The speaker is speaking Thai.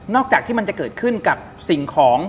จากที่มันจะเกิดขึ้นกับสิ่งของ